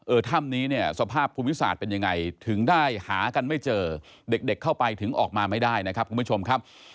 ถ้ำนี้เนี่ยสภาพภูมิศาสตร์เป็นยังไงถึงได้หากันไม่เจอเด็กเด็กเข้าไปถึงออกมาไม่ได้นะครับคุณผู้ชมครับ